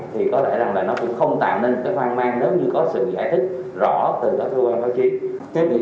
thì có lẽ là nó cũng không tạm nên cái hoang mang nếu như có sự giải thích rõ từ các cơ quan phát triển